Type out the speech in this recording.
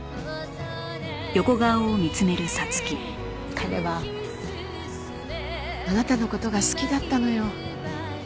彼はあなたの事が好きだったのよ。